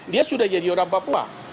dia sudah jadi orang papua